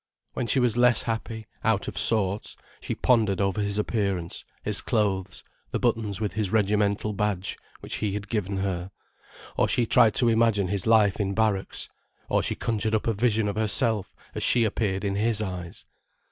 When she was less happy, out of sorts, she pondered over his appearance, his clothes, the buttons with his regimental badge, which he had given her. Or she tried to imagine his life in barracks. Or she conjured up a vision of herself as she appeared in his eyes.